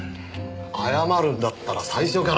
謝るんだったら最初から。